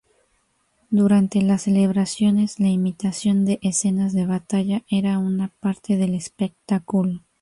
Durante las celebraciones, la imitación de escenas de batalla eran una parte del espectáculo.